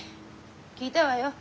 聞いたわよ。